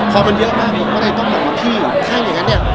พอมันเยอะมากก็เลยต้องหวัดที่หรือ